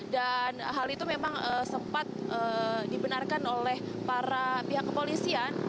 dan hal itu memang sempat dibenarkan oleh para pihak kepolisian